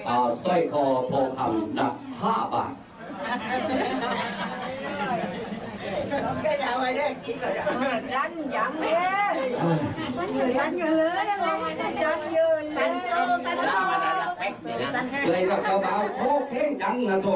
อ่าโอ้โฮ